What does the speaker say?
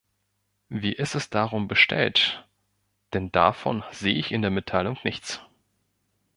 Wie ist es darum bestellt, denn davon sehe ich in der Mitteilung nichts?